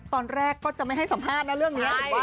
ตอนแรกก็จะไม่ให้สัมภาษณ์นะเรื่องนี้